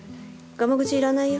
がま口いらないよ。